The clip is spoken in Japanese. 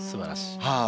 はい。